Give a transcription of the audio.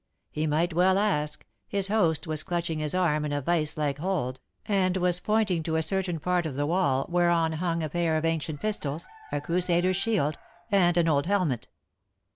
He might well ask. His host was clutching his arm in a vice like hold, and was pointing to a certain part of the wall whereon hung a pair of ancient pistols, a crusader's shield, and an old helmet.